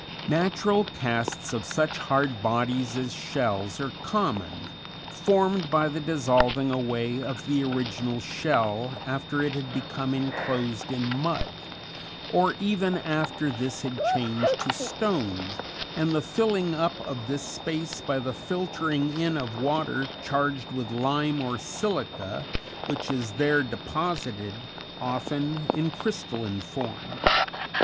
Natural casts of such hard bodies as shells are common, formed by the dissolving away of the original shell after it had become enclosed in mud, or even after this had changed to stone, and the filling up of this space by the filtering in of water charged with lime or silica, which is there deposited, often in crystalline form.